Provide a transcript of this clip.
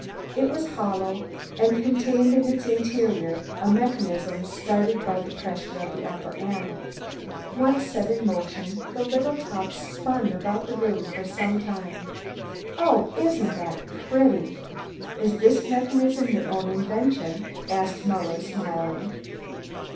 It was hollow and contained in its interior a mechanism started by a pressure on the upper end. Once set in motion the little top spun about the room for some time. "Oh, isn't that pretty! Is this mechanism your own invention?" asked Muller smiling.